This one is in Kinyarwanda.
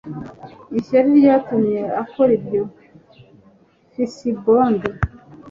ishyari ryatumye akora ibyo. (fcbond